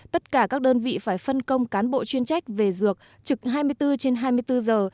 tất cả các đơn vị phải phân công cán bộ chuyên trách về dược trực hai mươi bốn trên hai mươi bốn giờ